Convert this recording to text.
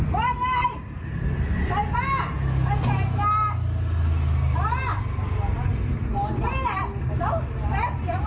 มาโดนพี่แหละแล้วแวะเสียงไว้ดีนะ